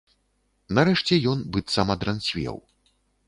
Нарэшце ён быццам адранцвеў.